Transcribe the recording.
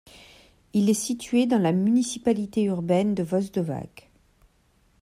Il est situé dans la municipalité urbaine de Voždovac.